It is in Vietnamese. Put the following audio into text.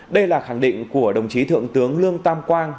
đây là khẳng định của đồng chí thượng tướng lương tam quang